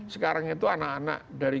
sekarang itu anak anak dari